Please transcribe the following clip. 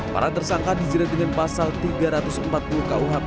para tersangka dijerat dengan pasal tiga ratus empat puluh kuhp